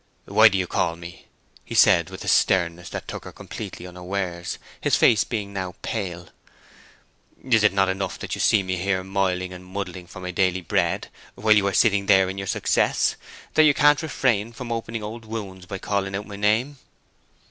"Why do you call me?" he said, with a sternness that took her completely unawares, his face being now pale. "Is it not enough that you see me here moiling and muddling for my daily bread while you are sitting there in your success, that you can't refrain from opening old wounds by calling out my name?"